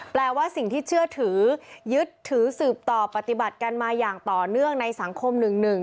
แปลว่าสิ่งที่เชื่อถือยึดถือสืบต่อปฏิบัติกันมาอย่างต่อเนื่องในสังคม๑๑